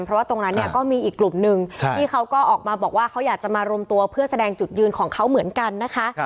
เพราะว่าตรงนั้นเนี่ยก็มีอีกกลุ่มนึงที่เขาก็ออกมาบอกว่าเขาอยากจะมารวมตัวเพื่อแสดงจุดยืนของเขาเหมือนกันนะคะ